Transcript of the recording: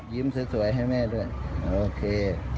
สวยให้แม่ด้วยโอเค